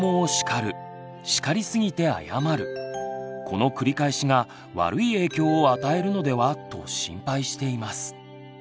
この繰り返しが悪い影響を与えるのではと心配しています。